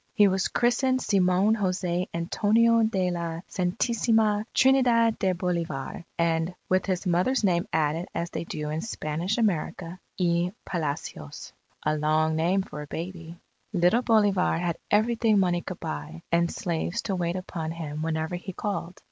He was christened Simon Jose Antonio de la Santisima Trinidad de Bolivar, and with his mother's name added as they do in Spanish America, y Palacios. A long name for a baby. Little Bolivar had everything money could buy, and slaves to wait upon him whenever he called.